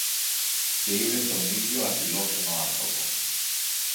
και είδε τον ίδιο αφιλόξενο άνθρωπο